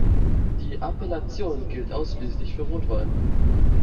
Die Appellation gilt ausschließlich für Rotwein.